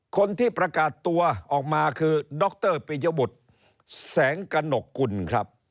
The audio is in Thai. คนที่ประกาศตัวออกมาคือดรปิยบุตรแสงกระหนกกุลครับ